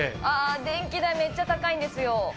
ああ、電気代、めっちゃ高いんですよ。